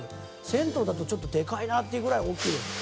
「銭湯だとちょっとでかいなっていうぐらい大きいです」